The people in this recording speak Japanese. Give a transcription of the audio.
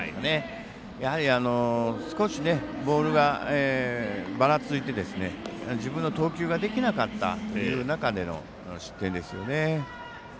やはり、少しボールがばらついて自分の投球ができなかったという中での失点ですよね。